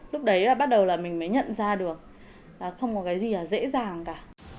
lúc đấy bắt đầu là mình mới nhận ra được không có cái gì là dễ dàng cả